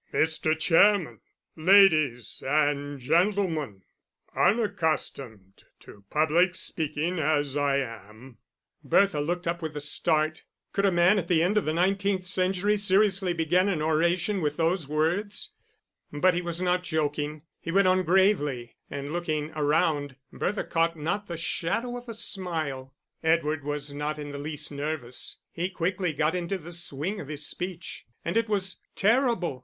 "Mr. Chairman, Ladies and Gentlemen Unaccustomed to public speaking as I am...." Bertha looked up with a start. Could a man at the end of the nineteenth century, seriously begin an oration with those words! But he was not joking; he went on gravely, and, looking around, Bertha caught not the shadow of a smile. Edward was not in the least nervous, he quickly got into the swing of his speech and it was terrible!